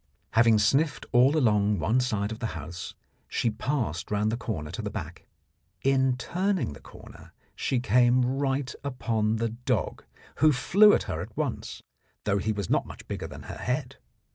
Having sniffed all along one side of the house, she passed round the corner to the back. In turning the corner she came right upon the dog, who flew at her at once, though he was not much bigger than her head.